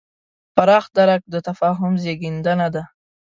پراخ درک د تفاهم زېږنده دی.